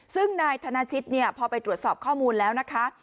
ซึ่งนายธนาชิตพอไปตรวจสอบข้อมูลแล้วนะคะ